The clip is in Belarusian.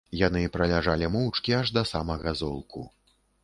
Яны праляжалі моўчкі аж да самага золку.